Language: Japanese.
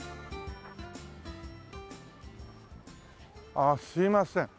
あっすいません。